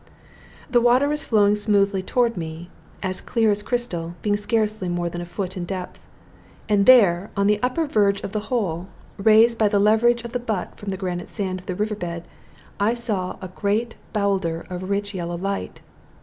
The water was flowing smoothly toward me, and as clear as crystal, being scarcely more than a foot in depth. And there, on the upper verge of the hole, raised by the leverage of the butt from the granite sand of the river bed, I saw a great bowlder of rich yellow light.